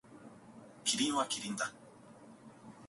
キリンはキリンだ。